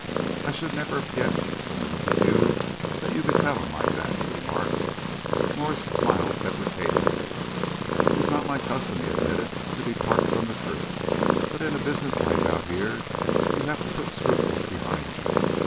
"I should never have guessed from the look of you that you could tell 'em like that," he remarked. Morse smiled deprecatingly. "It is not my custom," he admitted, "to depart from the truth, but in a business life out here you have to put scruples behind you.